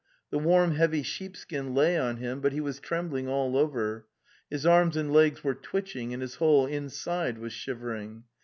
The warm heavy sheepskin lay on him, but he was trembling all over; his arms and legs were twitching, and his whole inside was shivering.